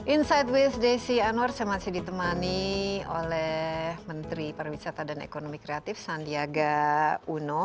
insight with desi anwar saya masih ditemani oleh menteri pariwisata dan ekonomi kreatif sandiaga uno